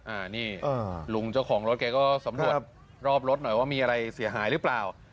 อ่านี่อ้อลุงเจ้าของรถไก่ก็สำหรับนะครับรอบรถหน่อยว่ามีอะไรเสียหายหรือเปล่า